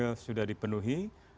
syarat formil sudah dipenuhi